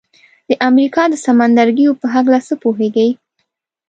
د امریکا د سمندرګیو په هکله څه پوهیږئ؟